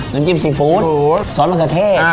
น้ำจิ้มซีฟู้ดซอสมะเขือเทศ